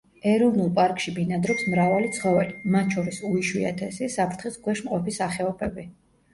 ეროვნულ პარკში ბინადრობს მრავალი ცხოველი, მათ შორის უიშვიათესი, საფრთხის ქვეშ მყოფი სახეობები.